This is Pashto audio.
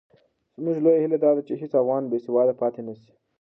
زموږ لویه هیله دا ده چې هېڅ افغان بې سواده پاتې نه سي.